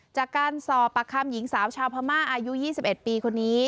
จากการสอบปากคำหญิงสาวชาวพม่าอายุ๒๑ปีคนนี้